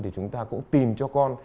thì chúng ta cũng tìm cho con